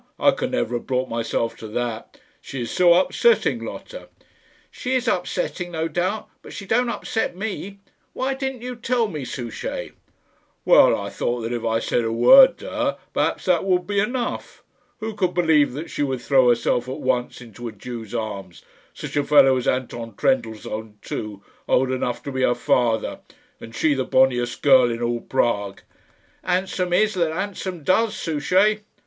I could never have brought myself to that; she is so upsetting, Lotta." "She is upsetting, no doubt; but she don't upset me. Why didn't you tell me, Souchey?" "Well, I thought that if I said a word to her, perhaps that would be enough. Who could believe that she would throw herself at once into a Jew's arms such a fellow as Anton Trendellsohn, too, old enough to be her father, and she the bonniest girl in all Prague?" "Handsome is that handsome does, Souchey."